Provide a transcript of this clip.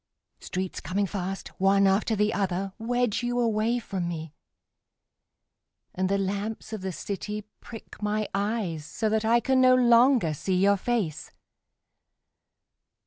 Streets coming fast, One after the other, Wedge you away from me, And the lamps of the city prick my eyes So that I can no longer see your face.